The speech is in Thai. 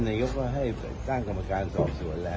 ผมเองก็ไม่ได้รู้ชักกับคันส่วนตัวครับ